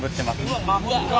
うわっ真っ赤。